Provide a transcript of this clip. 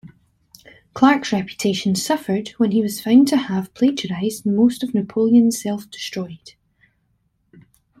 Clark's reputation suffered when he was found to have plagiarized most of Napoleon Self-Destroyed.